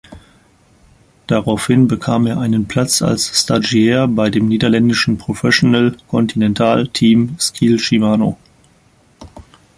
Daraufhin bekam er einen Platz als Stagiaire bei dem niederländischen Professional Continental Team Skil-Shimano.